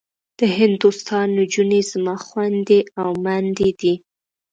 د هندوستان نجونې زما خوندي او مندي دي.